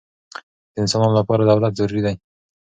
د انسانانو له پاره دولت ضروري دئ.